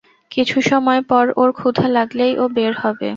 কিছুসময় পর ওর ক্ষুধা লাগলেই ও বের হবে।